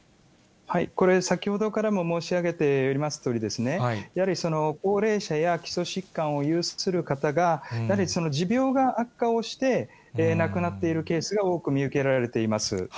これ、先ほどからも申し上げておりますとおり、やはり高齢者や基礎疾患を有する方が、やはり持病が悪化をして、亡くなっているケースが多く見受けられています。